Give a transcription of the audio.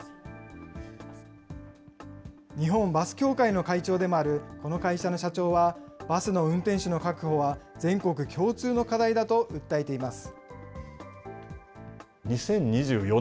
日本バス協会の会長でもあるこの会社の社長は、バスの運転手の確保は、全国共通の課題だと訴えています。